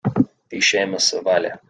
Bhí Séamus sa bhaile